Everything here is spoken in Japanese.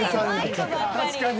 確かに。